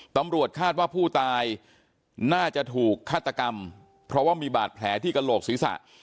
ตำรวจคาดว่าผู้ตายน่าจะถูกฆาตกรรมเพราะว่ามีบาดแผลที่กระโหลกศีรษะ